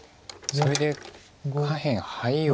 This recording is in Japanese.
それで下辺ハイを。